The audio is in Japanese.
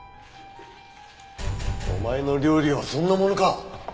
お前の料理はそんなものか！？